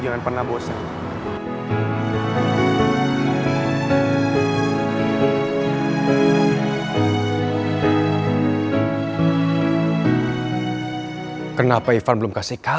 jangan pernah ada pertanyaan itu lagi dari mulut kamu sinta